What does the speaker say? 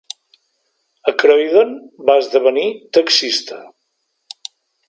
A Croydon va esdevenir taxista.